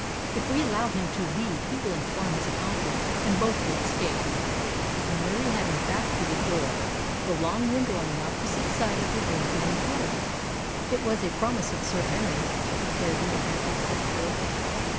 If we allow him to leave he will inform his accomplice, and both will escape." Murie had his back to the door, the long window on the opposite side of the room being closed. "It was a promise of Sir Henry's," declared the unhappy adventurer.